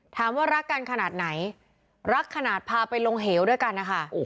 รักกันขนาดไหนรักขนาดพาไปลงเหวด้วยกันนะคะ